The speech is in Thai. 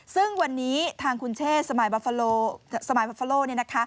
ซึ่งวันนี้ทางคุณเชษสมัยบาฟาโล